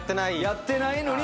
やってないのに。